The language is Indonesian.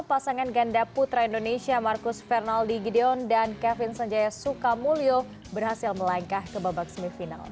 pasangan ganda putra indonesia marcus fernaldi gideon dan kevin sanjaya sukamulyo berhasil melangkah ke babak semifinal